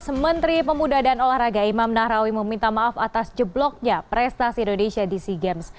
sementri pemuda dan olahraga imam nahrawi meminta maaf atas jebloknya prestasi indonesia di sea games